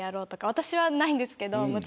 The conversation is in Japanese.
私はもちろんないんですけど。